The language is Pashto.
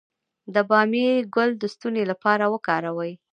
د بامیې ګل د ستوني لپاره وکاروئ